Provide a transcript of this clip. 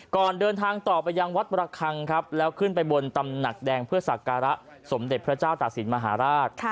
ก่อนเดินทางต่อไปยังวัดประคังครับแล้วขึ้นไปบนตำหนักแดงเพื่อสักการะสมเด็จพระเจ้าตากศิลป์มหาราช